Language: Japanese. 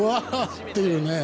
っていう。